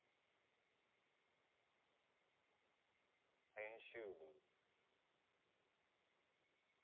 編集部。